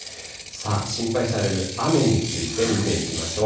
心配される雨について見ていきましょう。